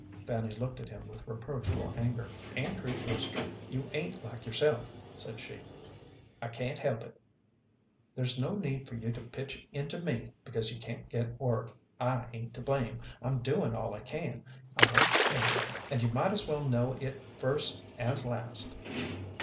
Fanny looked at him with reproachful anger. "Andrew Brewster, you ain't like yourself," said she. "I can't help it." "There's no need for you to pitch into me because you can't get work; I ain't to blame. I'm doing all I can. I won't stand it, and you might as well know it first as last."